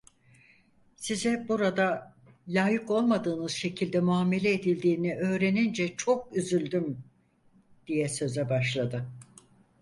Size burada, layık olmadığınız şekilde muamele edildiğini öğrenince çok üzüldüm… diye söze başladı.